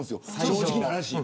正直な話。